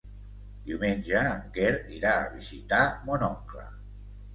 Diumenge en Quer irà a visitar mon oncle.